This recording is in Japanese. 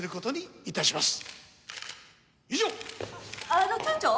あの町長？